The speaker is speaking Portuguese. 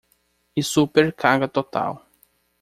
E super carga total